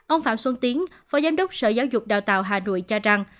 ông phạm xuân tiến phó giám đốc sở giáo dục đào tạo hà nội cho rằng